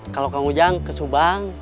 kalau kang ujang ke subang